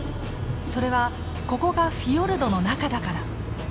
それはここがフィヨルドの中だから。